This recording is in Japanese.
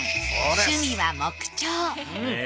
趣味は木彫。